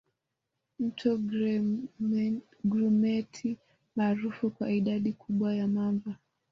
Mto Grumeti maarufu kwa idadi kubwa ya mamba